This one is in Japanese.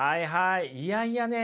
いやいやね